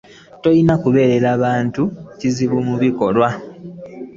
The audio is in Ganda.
Tolina kuberera bantu kizibu mu bikolwa byo.